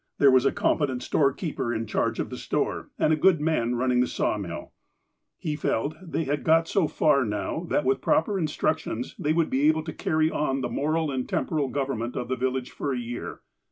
There was a competent storekeeper in charge of the store, and a good man running the sawmill. He felt that they had got so far now, that with proper in structions they would be able to carry on the moral and temporal government of the village for a year.